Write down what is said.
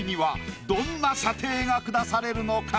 どんな査定が下されるのか？